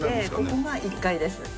ここが１階ですね。